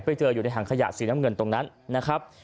ไปเจออยู่ในถังขยะสีน้ำเงินตรงนั้นนะครับ